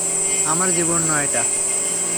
আমার জীবন নয়টা।